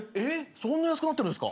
そんな安くなってるんですか？